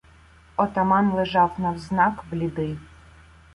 Отаман лежав навзнак, блідий.